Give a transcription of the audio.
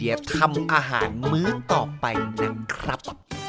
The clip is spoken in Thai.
เดี๋ยวทำอาหารมื้อต่อไปนั้นครับ